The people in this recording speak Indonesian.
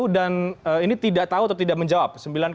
dan ini tidak tahu atau tidak menjawab